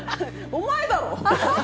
お前だろ！